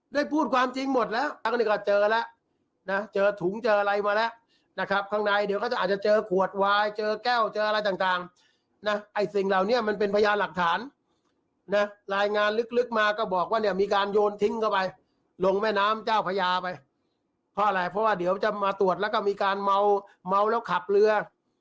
ได้พูดความจริงหมดแล้วก็เรียกว่าเจอแล้วนะเจอถุงเจออะไรมาแล้วนะครับข้างในเดี๋ยวเขาจะอาจจะเจอขวดวายเจอแก้วเจออะไรต่างนะไอ้สิ่งเหล่านี้มันเป็นพยานหลักฐานนะรายงานลึกมาก็บอกว่าเนี่ยมีการโยนทิ้งเข้าไปลงแม่น้ำเจ้าพญาไปเพราะอะไรเพราะว่าเดี๋ยวจะมาตรวจแล้วก็มีการเมาเมาแล้วขับเรือ